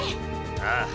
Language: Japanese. ああ。